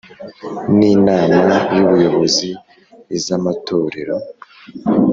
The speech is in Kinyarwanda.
N inama y ubuyobozi iz amatorero